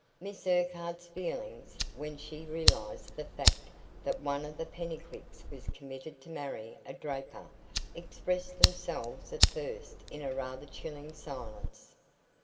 Miss Urquhart's feelings, when she realised the fact that one of the Pennycuicks was committed to marry a draper, expressed themselves at first in a rather chilling silence.